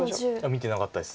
見てなかったです。